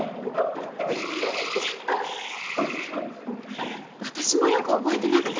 私もよく覚えてなくて。